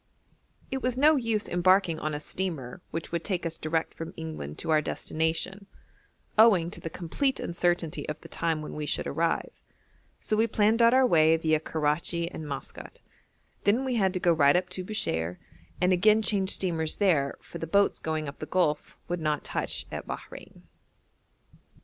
It was no use embarking on a steamer which would take us direct from England to our destination, owing to the complete uncertainty of the time when we should arrive, so we planned out our way viâ Karachi and Maskat; then we had to go right up to Bushire, and again change steamers there, for the boats going up the Gulf would not touch at Bahrein.